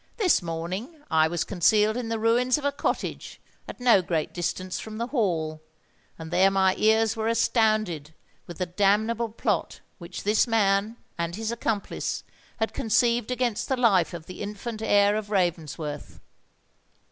This morning I was concealed in the ruins of a cottage at no great distance from the Hall; and there my ears were astounded with the damnable plot which this man and his accomplice had conceived against the life of the infant heir of Ravensworth.